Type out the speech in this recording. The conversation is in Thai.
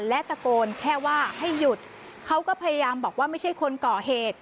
และตะโกนแค่ว่าให้หยุดเขาก็พยายามบอกว่าไม่ใช่คนก่อเหตุ